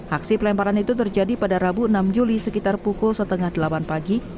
aksi pelemparan itu terjadi pada rabu enam juli sekitar pukul setengah delapan pagi